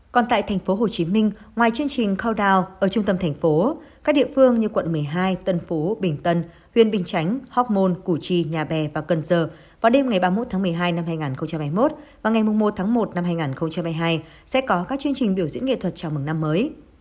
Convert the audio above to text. còn tại tp hcm ngoài chương trình countdown ở trung tâm thành phố các địa phương như quận một mươi hai tân phú bình tân huyện bình chánh hóc môn củ chi nhà bè và cần giờ vào đêm ngày ba mươi một tháng một mươi hai năm hai nghìn hai mươi một và ngày một tháng một năm hai nghìn hai mươi hai sẽ có các chương trình biểu diễn nghệ thuật chào mừng năm mới